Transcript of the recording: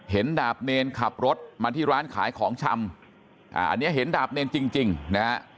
ดาบเนรขับรถมาที่ร้านขายของชำอันนี้เห็นดาบเนรจริงนะฮะ